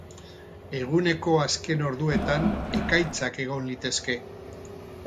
Eguneko azken orduetan, ekaitzak egon litezke.